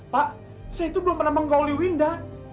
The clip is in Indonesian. pak saya itu belum pernah menggali winda